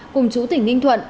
cùng chủ tỉnh ninh thuận